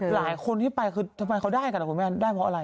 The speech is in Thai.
หลายคนที่ไปคือทำไมเขาได้กันนะคุณแม่ได้เพราะอะไร